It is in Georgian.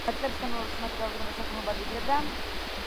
წლების განმავლობაში მათი რაოდენობა საგრძნობლად იკლებდა.